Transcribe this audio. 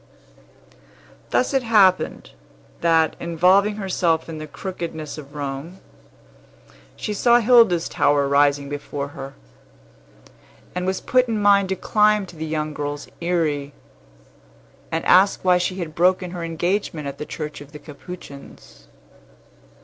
Thus it happened, that, involving herself in the crookedness of Rome, she saw Hilda's tower rising before her, and was put in mind to climb to the young girl's eyry, and ask why she had broken her engagement at the church of the Capuchins.